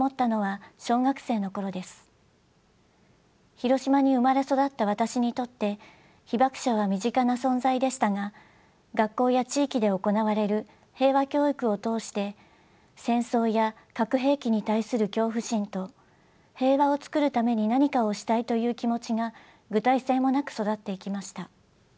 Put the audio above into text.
広島に生まれ育った私にとって被爆者は身近な存在でしたが学校や地域で行われる平和教育を通して戦争や核兵器に対する恐怖心と平和を作るために何かをしたいという気持ちが具体性もなく育っていきました。